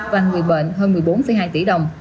và người bệnh hơn một mươi bốn hai tỷ đồng